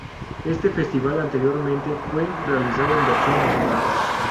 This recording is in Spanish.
Este festival anteriormente fue realizado en versión nacional.